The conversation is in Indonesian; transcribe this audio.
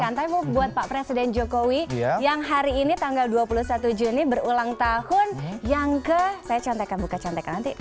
tapi buat pak presiden jokowi yang hari ini tanggal dua puluh satu juni berulang tahun yang ke saya contekan buka contekan nanti